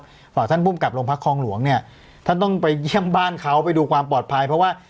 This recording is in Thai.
อ่าท่านภูมิกับโรงพักคลองหลวงเนี่ยท่านต้องไปเยี่ยมบ้านเขาไปดูความปลอดภัยเพราะว่า